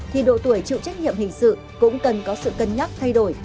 thì độ tuổi chịu trách nhiệm hình sự cũng cần có sự cân nhắc thay đổi